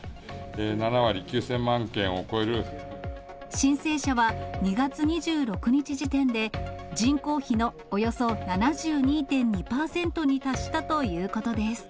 ７割、申請者は２月２６日時点で、人口比のおよそ７２．２％に達したということです。